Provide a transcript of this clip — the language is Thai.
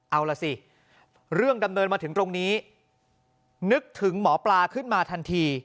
เอาล่ะสิเรื่องดำเนินมาถึงตรงนี้นึกถึงหมอปลาขึ้นมาทันที